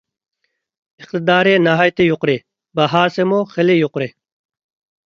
ئىقتىدارى ناھايىتى يۇقىرى، باھاسىمۇ خىلى يۇقىرى.